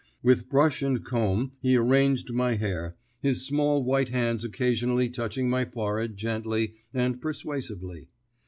With brush and comb he arranged my hair, his small white hands occasionally touching my forehead gently and persuasively.